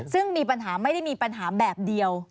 ซึ่งมีปัญหาไม่ได้มีปัญหาแบบเดียว